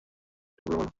একটু খুলে বলো।